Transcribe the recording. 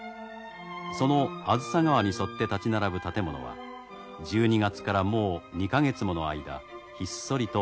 その梓川に沿って立ち並ぶ建物は１２月からもう２か月もの間ひっそりと眠りについています。